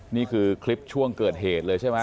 นี่คือคลิปช่วงเกิดเหตุเลยใช่ไหม